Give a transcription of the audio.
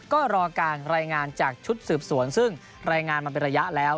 ก็รอการรายงานจากชุดสืบสวนซึ่งรายงานมาเป็นระยะแล้ว